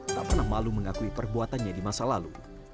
tak pernah malu mengakui perbuatannya di masa lalu